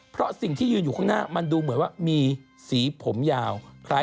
เพราะสิ่งที่ยืนอยู่ข้างหน้ามันดูเหมือนว่ามีสีผมยาวคล้าย